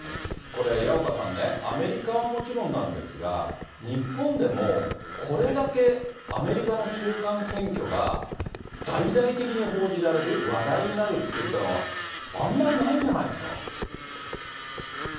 これ、矢岡さんね、アメリカはもちろんなんですが、日本でも、これだけアメリカの中間選挙が大々的に報じられる、話題になるっていったのは、あんまりないんじゃないですか。